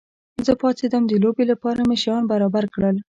زه پاڅېدم، د لوبې لپاره مې شیان برابر کړل.